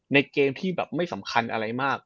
ในเกมที่แบบไม่สำคัญอะไรมาก